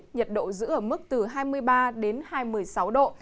nhiệt độ giữ ở mức từ hai mươi ba đến hai mươi sáu độ